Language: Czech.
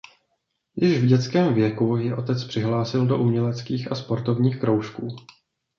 Již v dětském věku ji otec přihlásil do uměleckých a sportovních kroužků.